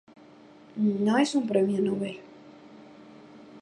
No es un Premio Nobel.